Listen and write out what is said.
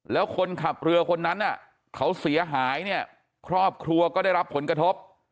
แล้วคนขับเรือคนนั้นเขาเสียหายเนี่ยครอบครัวก็ได้รับผลกระทบ